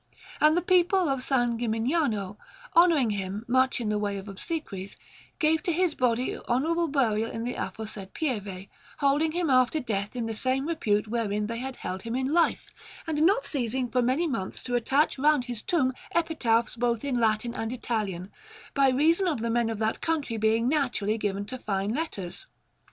And the people of San Gimignano, honouring him much in the way of obsequies, gave to his body honourable burial in the aforesaid Pieve, holding him after death in the same repute wherein they had held him in life, and not ceasing for many months to attach round his tomb epitaphs both Latin and Italian, by reason of the men of that country being naturally given to fine letters.